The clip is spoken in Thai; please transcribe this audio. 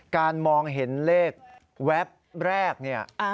การมองเห็นเลขแวบแรกนี่